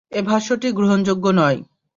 এ ভাষ্যটি গ্রহণযোগ্য নয়।